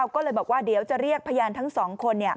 ก็เลยบอกว่าเดี๋ยวจะเรียกพยานทั้ง๒คน